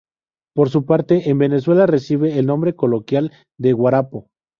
Por su parte, en Venezuela reciben el nombre coloquial de "guarapo".